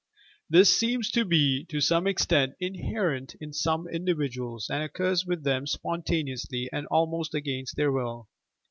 This seems to be, to some extent, inherent in some individuals, and occurs ■with them spontaneously and almost against their will.